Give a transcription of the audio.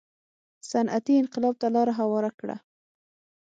صنعتي انقلاب ته لار هواره کړه.